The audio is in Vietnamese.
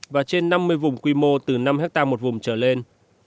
và trên năm mươi vùng quy mô từ năm hectare một vùng trở lên